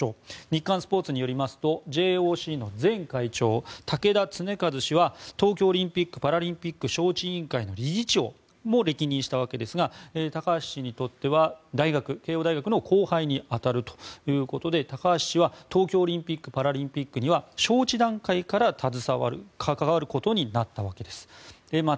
日刊スポーツによりますとＪＯＣの前会長竹田恒和氏は東京オリンピック・パラリンピック招致委員会の理事長も歴任したわけですが高橋氏にとっては慶應大学の後輩に当たるということで高橋氏は東京オリンピック・パラリンピックには招致段階から関わることになったわけです。